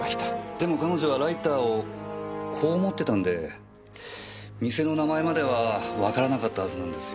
でも彼女はライターをこう持ってたんで店の名前まではわからなかったはずなんですよ。